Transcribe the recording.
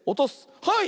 はい！